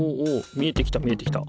見えてきた見えてきた。